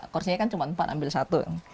kursinya kan cuma empat ambil satu